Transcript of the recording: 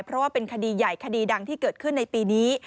เพราะว่าเป็นคดีใหญ่คดีดังที่เกิดขึ้นในปีนี้